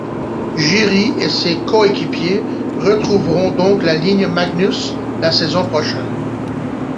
Jiri et ses coéquipiers retrouveront donc la Ligue Magnus la saison prochaine.